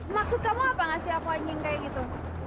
maksud kamu apa ngasih apa anjing kayak gitu